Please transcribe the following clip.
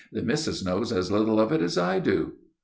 "The missus knows as little of it as I do."